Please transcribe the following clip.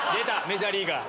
メジャーリーガー。